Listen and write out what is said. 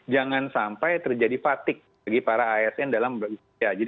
jangan sampai terjadi fatigue bagi para asn dalam berusia